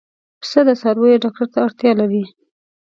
پسه د څارویو ډاکټر ته اړتیا لري.